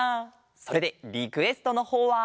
それでリクエストのほうは。